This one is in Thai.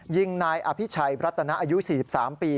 ยิงนายอภิชัยรัตนาอายุ๔๓ปี